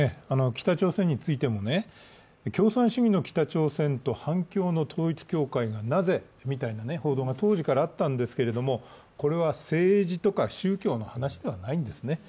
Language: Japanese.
北朝鮮についても共産主義の北朝鮮と反共の統一教会がなぜみたいな報道が当時からあったんですけれども、これは政治とか宗教の話ではないんですよね。